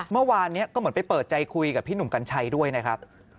เมื่อวานนี้ก็เหมือนไปเปิดใจคุยกับพี่หนุ่มกัญชัยด้วยนะครับ